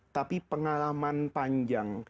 tapi pengalaman panjang